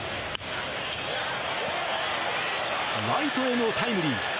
ライトへのタイムリー。